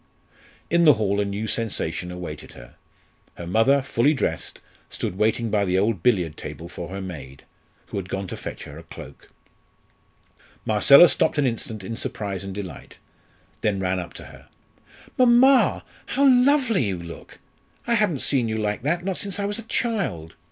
In the hall a new sensation awaited her. Her mother, fully dressed, stood waiting by the old billiard table for her maid, who had gone to fetch her a cloak. Marcella stopped an instant in surprise and delight, then ran up to her. "Mamma, how lovely you look! I haven't seen you like that, not since I was a child.